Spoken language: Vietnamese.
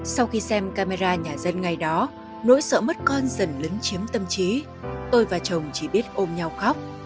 sau khi xem camera nhà dân ngay đó nỗi sợ mất con dần lấn chiếm tâm trí tôi và chồng chỉ biết ôm nhau khóc